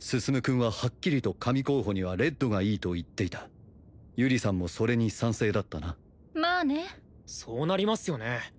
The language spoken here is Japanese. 向君ははっきりと神候補にはレッドがいいと言っていた由理さんもそれに賛成だったなまあねそうなりますよね